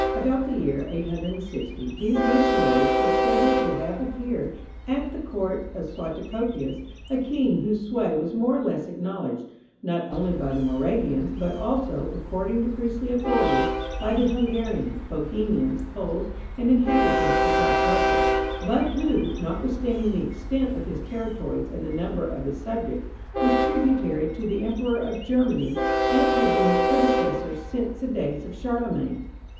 About the year 860 these missionaries are stated to have appeared at the court of Suatocopius, a king whose sway was more or less acknowledged, not only by the Moravians, but also, according to priestly authority, by the Hungarians, Bohemians, Poles, and inhabitants of Black Russia, but who, notwithstanding the extent of his territories and the number of his subjects, was tributary to the Emperor of Germany, as had been his predecessors since the days of Charlemagne.